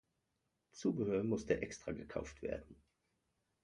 Zubehör musste extra gekauft werden.